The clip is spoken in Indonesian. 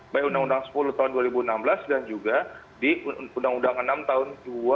baik undang undang sepuluh tahun dua ribu enam belas dan juga di undang undang enam tahun dua ribu dua